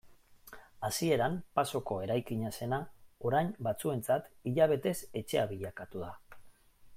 Hasieran pasoko eraikina zena orain batzuentzat hilabetez etxea bilakatu da.